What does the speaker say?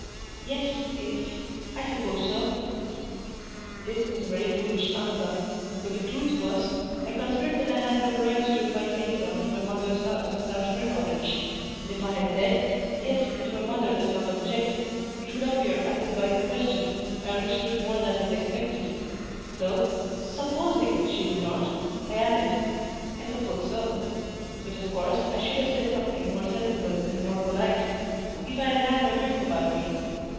"Yes, if—I suppose so." This was a very foolish answer, but the truth was, I considered that I had no right to invite anyone to my mother's house without her knowledge; and if I had said, "Yes, if my mother does not object," it would appear as if by his question I understood more than was expected; so, supposing she would not, I added, "I suppose so:" but of course I should have said something more sensible and more polite, if I had had my wits about me.